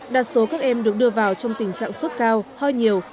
đa số các em được đưa vào trong tình trạng sốt cao ho nhiều